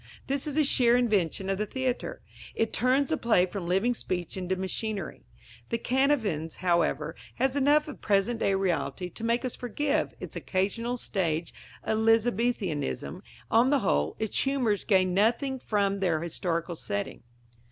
This is a sheer invention of the theatre; it turns the play from living speech into machinery. The Canavans, however, has enough of present day reality to make us forgive its occasional stage Elizabethanism. On the whole, its humours gain nothing from their historical setting.